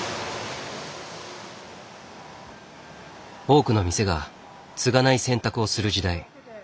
多くの店が継がない選択をする時代。